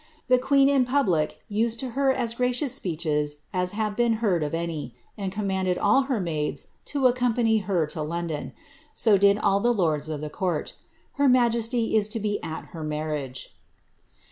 The queen in public used lo her as gracious speeches as have been heard of any, and commanded all her maids to accompaav her to London ; so did all the lords of die court. Her majesty is lo be at her marriage."